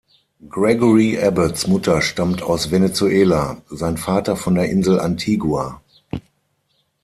Gregory Abbotts Mutter stammt aus Venezuela, sein Vater von der Insel Antigua.